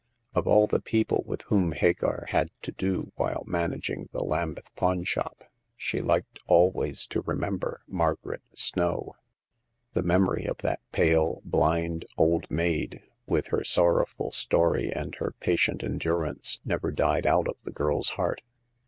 Of all the people with whom Hagar had to do while managing the Lambeth pawn shop, she liked always to remember Margaret Snow. The memory of that pale, blind old maid, with her sorrowful story and her patient endurance, never died out of the girl's heart.